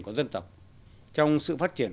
của dân tộc trong sự phát triển